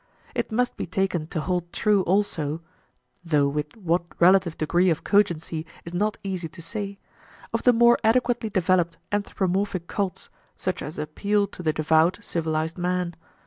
It must be taken to hold true also though with what relative degree of cogency is not easy to say of the more adequately developed anthropomorphic cults, such as appeal to the devout civilized man.